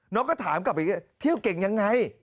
ก็ถามกลับไปเที่ยวเก่งยังไง